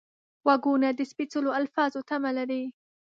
غوږونه د سپېڅلو الفاظو تمه لري